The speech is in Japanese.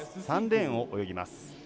３レーンを泳ぎます。